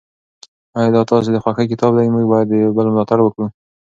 آیا دا ستاسو د خوښې کتاب دی؟ موږ باید د یو بل ملاتړ وکړو.